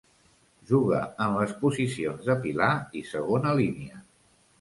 Jugà en les posicions de pilar i segona línia.